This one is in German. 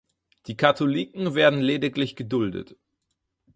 Die Katholiken werden lediglich geduldet.